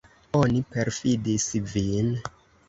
Oni perfidis vin.